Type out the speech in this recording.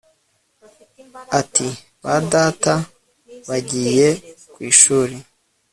Ati Ba data bagiye ku ishuri